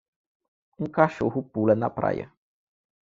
Um cachorro pula na praia.